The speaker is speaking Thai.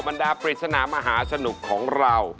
บรรดาปริศนามหาสนุกของเรา